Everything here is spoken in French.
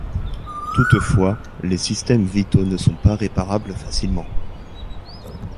Toutefois, les systèmes vitaux ne sont pas réparables facilement.